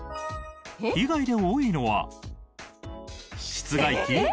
被害で多いのは室外機？